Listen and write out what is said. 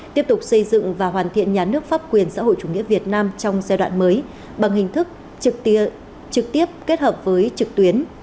tiếp tục xây dựng và hoàn thiện nhà nước pháp quyền xã hội chủ nghĩa việt nam trong giai đoạn mới bằng hình thức trực tiếp kết hợp với trực tuyến